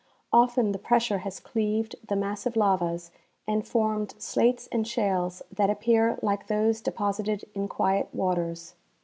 Often the pressure has cleaved the massive lavas and formed slates and shales that appear like those deposited in quiet waters.